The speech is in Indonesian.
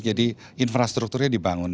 jadi infrastrukturnya dibangun